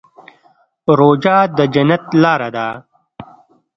روژه د جنت لاره ده.